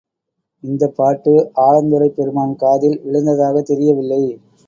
இந்த பாட்டு ஆலந்துறைப் பெருமான் காதில் விழுந்ததாகத் தெரியவில்லை.